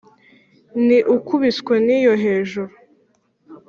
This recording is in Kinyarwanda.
ni ukubiswe n’iyo hejuru